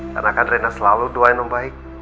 karena kaderena selalu doain om baik